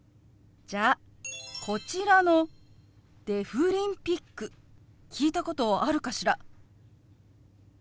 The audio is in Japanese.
じゃあこちらの「デフリンピック」聞いたことあるかしら？